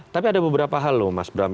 tapi ada beberapa hal loh mas bram